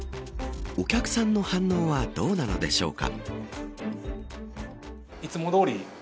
お客さんの反応はどうなのでしょうか。